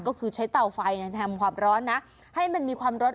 ก็คือใช้เรือไฟแดมในความร้อนนะให้มันมีความร้อนอ่อนอ่อน